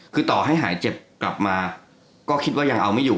คือต่อให้หายเจ็บกลับมาก็คิดว่ายังเอาไม่อยู่